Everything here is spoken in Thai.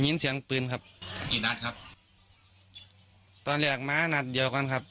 เสียงปืนครับกี่นัดครับตอนแรกม้านัดเดียวกันครับ